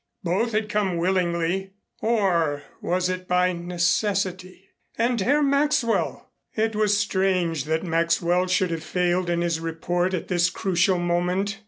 Both had come willingly, or was it by necessity? And Herr Maxwell! It was strange that Maxwell should have failed in his report at this crucial moment.